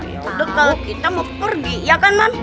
itu kalau kita mau pergi ya kan man